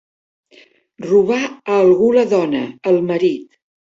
Robar a algú la dona, el marit.